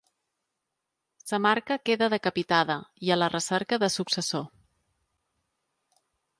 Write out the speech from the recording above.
La marca queda decapitada i a la recerca de successor.